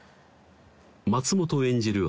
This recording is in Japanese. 松本演じる